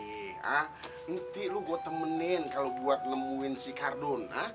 nanti lo gue temenin kalau buat nemuin sikardon